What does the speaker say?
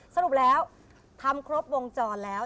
สรุปแล้วทำครบวงจรแล้ว